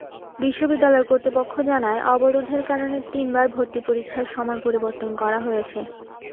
বিশ্ববিদ্যালয় কর্তৃপক্ষ জানায়, অবরোধের কারণে তিনবার ভর্তি পরীক্ষার সময় পরিবর্তন করা হয়েছে।